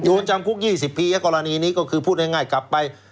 โดนจำคุกยี่สิบปีกรณีนี้ก็คือพูดง่ายง่ายกลับไป